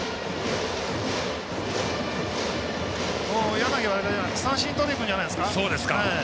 柳は三振をとりにいくんじゃないですか。